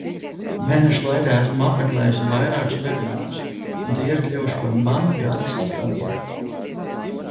Mēneša laikā esmu apmeklējusi vairākus vebinārus un tie ir kļuvuši par mana darba sastāvdaļu.